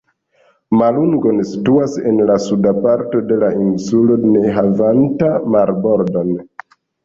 Malungon situas en la suda parto de la insulo ne havanta marbordon.